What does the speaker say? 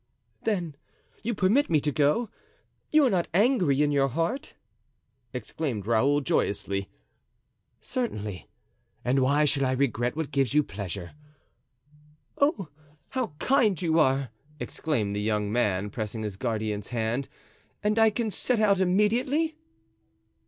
"Then you permit me to go, you are not angry in your heart?" exclaimed Raoul, joyously. "Certainly; and why should I regret what gives you pleasure?" "Oh! how kind you are," exclaimed the young man, pressing his guardian's hand; "and I can set out immediately?"